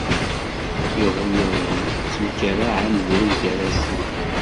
Iɣyal temkerraɛen buygarasen.